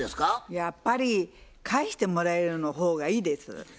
やっぱり返してもらえるの方がいいです。